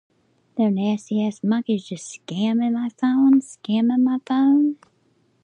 In the south it bordered on the Sorbian language area in Lusatia.